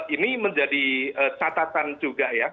ini menjadi catatan juga ya